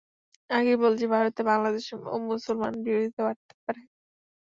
আগেই বলেছি ভারতে বাংলাদেশ ও মুসলমান বিরোধিতা বাড়তে পারে।